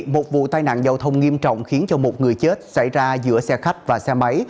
một vụ tai nạn giao thông nghiêm trọng khiến cho một người chết xảy ra giữa xe khách và xe máy